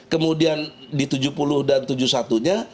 kemudian di tujuh puluh dan tujuh puluh satu nya